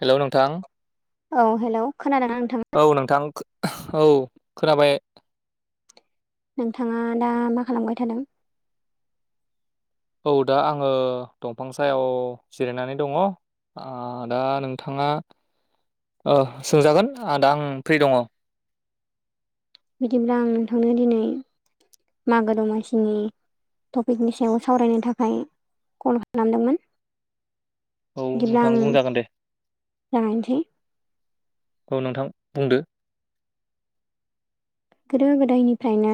Hello नोंथां। औ hello खोनादोंना नोंथां? औ नोंथां खो औ खोनाबाय नोंथाङा दा मा खालामबाय थादों औ दा आंङो दंफां सायाव जिरायनानै दङ आ दा नोंथाङा ओ सोंजागोन आ दा आं फ्रि दङ बिदिब्ला आं नोंथांनो दिनै मागो दमासिनि टपिकनि सायाव सावरायनो थाखाय कल खालामदोंमोन बिदिब्ला नोंथां आं बुंजागोन दे जागायनोसै औ नोंथां बुंदो गोदो गोदायनिफ्रायनो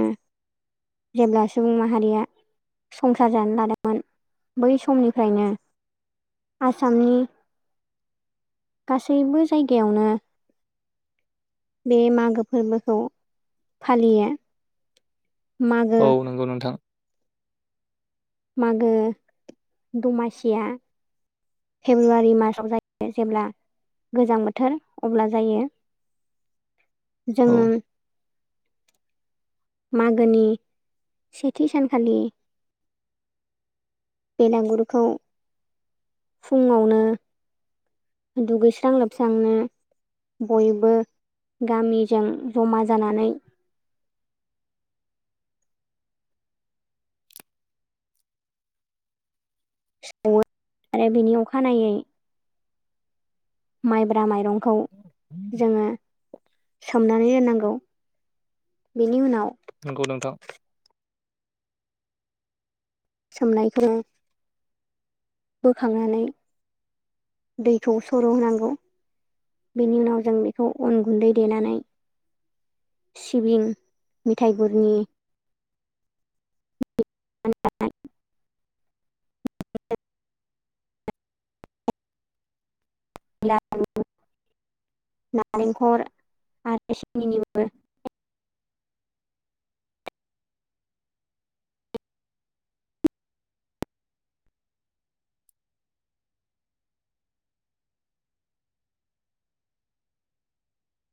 जेब्ला सुबुं माहारिया संसार जानो लादोंमोन बै समनिफ्रायनो आसामनि गासैबो जायगायावनो बे मागो फोरबोखौ फालियो मागो औ नंगौ नोंथां मागो दमासिया फेब्रुवारि मार्चआव जायो जेब्ला गोजां बोथोर अब्ला जायो औ जोङो मागोनि सेथि सानखालि बेलागुरखौ फुंङावनो दुगैस्रां लोबस्रांनो बयबो गामिजों जमा जानानै सावो आरो बेनि अखानायै माइब्रा माइरंखौ जोङो सोमनानै दोननांगौ बेनि उनाव नंगौ नोंथां सोमनायखौनो बोखांनानै दैखौ सर होनांगौ बेनि उनाव जों बेखौ अन गुन्दै देनानै सिबिं मेथाइ गुरनि [unintelligible] [unintelligible] नारेंखल आरो सिनि नि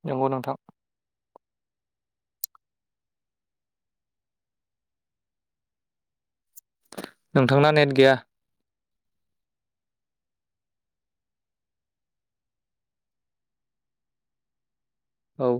नंगौ नोंथां नोंथांना नेट गैया औ